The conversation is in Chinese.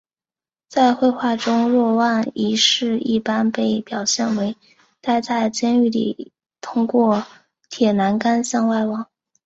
在绘画中若望一世一般被表现为待在监狱里通过铁栏杆向外望。